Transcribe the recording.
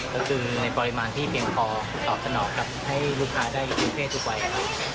ก็คือในปริมาณที่เพียงพอตอบสนองกับให้ลูกค้าได้ทุกเพศทุกวัยครับ